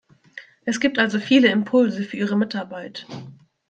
Es gibt also viele Impulse für Ihre Mitarbeit.